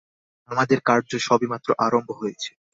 আমাদের কার্য সবেমাত্র আরম্ভ হয়েছে।